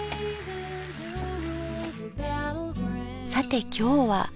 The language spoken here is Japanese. さて今日は。